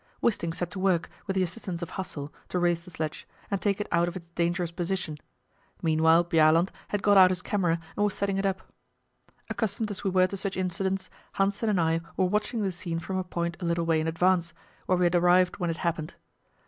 Wisting set to work, with the assistance of Hassel, to raise the sledge, and take it out of its dangerous position; meanwhile Bjaaland had got out his camera and was setting it up. Accustomed as we were to such incidents, Hanssen and I were watching the scene from a point a little way in advance, where we had arrived when it happened.